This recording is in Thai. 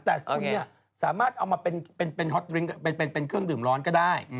แต่คุณเนี่ยสามารถเอามาเป็นความร้ายกล่องร้อนก็ได้